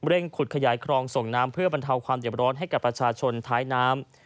ขุดขยายคลองส่งน้ำเพื่อบรรเทาความเด็บร้อนให้กับประชาชนท้ายน้ำ